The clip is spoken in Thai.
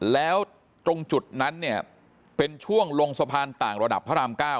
แล้วตรงจุดนั้นเนี่ยเป็นช่วงลงสะพานต่างระดับพระราม๙